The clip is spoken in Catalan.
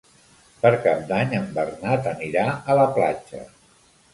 Per Cap d'Any en Bernat anirà a la platja.